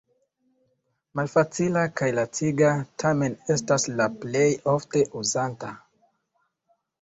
Malfacila kaj laciga, tamen estas la plej ofte uzata.